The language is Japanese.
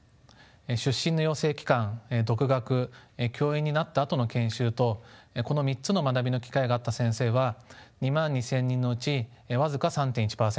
出身の養成機関独学教員になったあとの研修とこの３つの学びの機会があった先生は２万２，０００人のうち僅か３．１％。